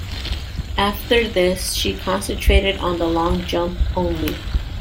After this she concentrated on the long jump only.